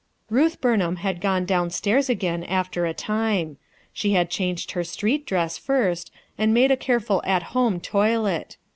Ruth Burnham had gone downstairs again m 152 RUTH ERSKINES SON after a time She bad changed her street dress first, and made a careful at home toilet.